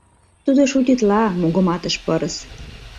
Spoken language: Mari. — Тудо шутитла, — мугыматыш пырыс.